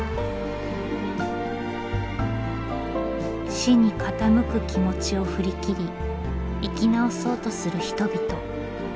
死に傾く気持ちを振り切り生きなおそうとする人々。